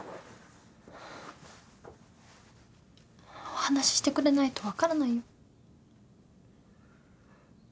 お話してくれないと分からないよ。